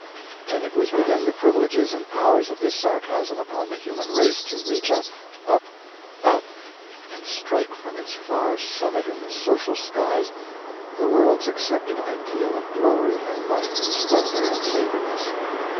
And it was within the privileges and powers of this sarcasm upon the human race to reach up—up—up—and strike from its far summit in the social skies the world's accepted ideal of Glory and Might and Splendor and Sacredness!